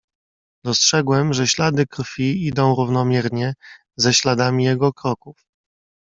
"Dostrzegłem, że ślady krwi idą równomiernie ze śladami jego kroków."